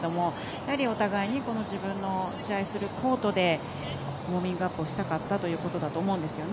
やはりお互いに自分の試合するコートでウォーミングアップをしたかったということだと思うんですよね。